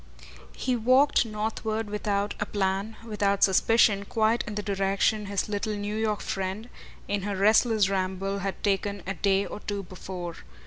He walked northward without a plan, without suspicion, quite in the direction his little New York friend, in her restless ramble, had taken a day or two before.